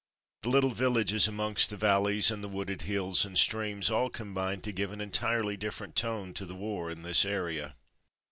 The little villages amongst the valleys, and the wooded hills and streams, all combined to give an entirely different tone. to the war in this area.